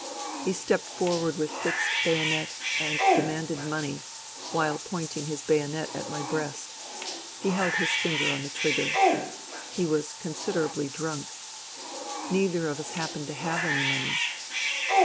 He stepped forward with fixed bayonet and demanded money, while pointing his bayonet at my breast ; he held his finger on the trigger. He was considerably drunk. Neither of us happened to have any money.